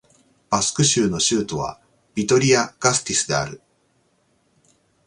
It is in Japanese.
バスク州の州都はビトリア＝ガステイスである